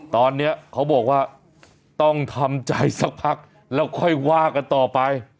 ตอนนี้เขาบอกว่าต้องทำใจสักพักแล้วค่อยว่ากันต่อไป